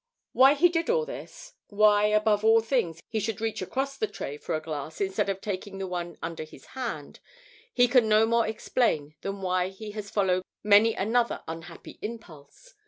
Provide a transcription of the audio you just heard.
Why he did all this why, above all things, he should reach across the tray for a glass instead of taking the one under his hand, he can no more explain than why he has followed many another unhappy impulse.